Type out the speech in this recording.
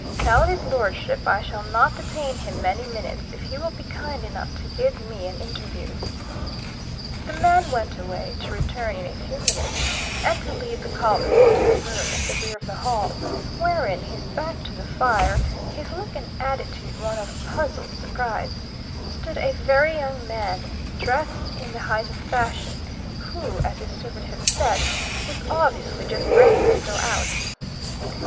"Tell his lordship I shall not detain him many minutes if he will be kind enough to give me an interview." The man went away to return in a few minutes and to lead the callers into a room at the rear of the hall, wherein, his back to the fire, his look and attitude one of puzzled surprise, stood a very young man, dressed in the height of fashion, who, as his servant had said, was obviously just ready to go out.